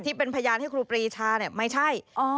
ที่เป็นพยานให้ครูปรีชาไม่ใช่